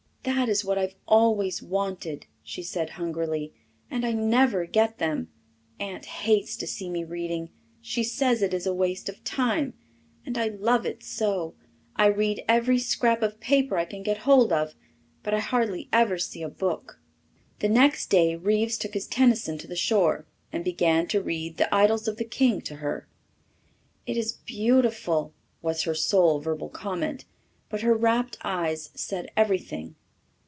"That is what I've always wanted," she said hungrily, "and I never get them. Aunt hates to see me reading. She says it is a waste of time. And I love it so. I read every scrap of paper I can get hold of, but I hardly ever see a book." The next day Reeves took his Tennyson to the shore and began to read the Idylls of the King to her. "It is beautiful," was her sole verbal comment, but her rapt eyes said everything.